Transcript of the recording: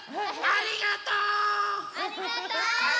ありがとう！